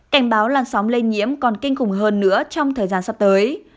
cảnh báo làn sóng lây nhiễm còn kinh khủng hơn nữa trong thời gian sắp tới